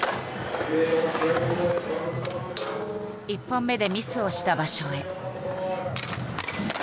１本目でミスをした場所へ。